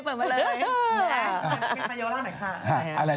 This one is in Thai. คุณตายียาวราชหน่อยค่ะ